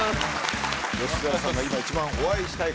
吉沢さんが今一番お会いしたい方ですね。